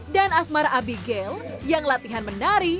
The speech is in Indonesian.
dan asmar abigail yang latihan menari